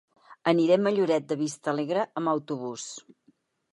Anirem a Lloret de Vistalegre amb autobús.